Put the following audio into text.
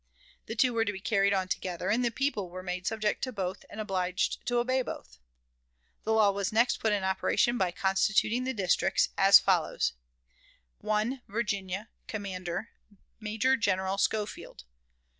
The two were to be carried on together, and the people were made subject to both and obliged to obey both. The law was next put in operation by constituting the districts, as follows: 1. Virginia, commander, Major General Schofield; 2.